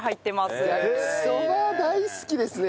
焼きそば大好きですね。